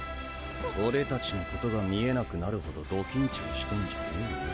オレたちのことが見えなくなるほどド緊張してんじゃねえよ。